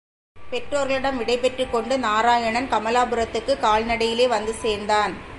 பெற்றோர்களிடம் விடைபெற்றுக் கொண்டு நாராயணன் கமலாபுரத்துக்குக் கால்நடையிலே வந்து சேர்ந்தான்.